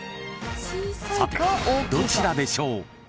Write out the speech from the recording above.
［さてどちらでしょう？］